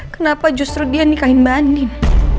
kenapa justru dia nikahin mbak andin